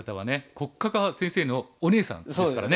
黒嘉嘉先生のお姉さんですからね。